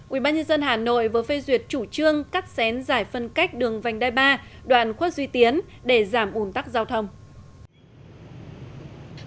ubnd hà nội vừa phê duyệt chủ trương cắt xén giải phân cách đường vành đai ba đoạn khuất duy tiến để giảm ủn tắc giao thông